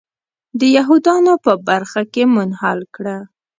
د یهودانو په برخه کې منحل کړه.